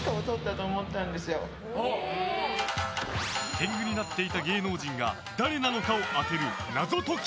天狗になっていた芸能人が誰なのかを当てる謎解き